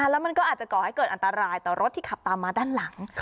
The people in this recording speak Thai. แล้วมันก็อาจจะก่อให้เกิดอันตรายต่อรถที่ขับตามมาด้านหลัง